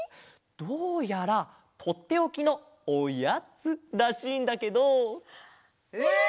どうやらとっておきの「おやつ」らしいんだけど。え！？